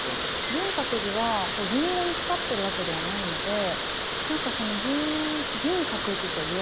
銀閣寺は銀色に光ってるわけではないので何かその。